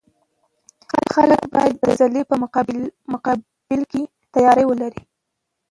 خلک باید د زلزلې په مقابل کې تیاری ولري